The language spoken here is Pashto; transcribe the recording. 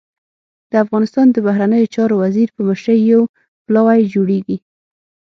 د افغانستان د بهرنیو چارو وزیر په مشرۍ يو پلاوی جوړېږي.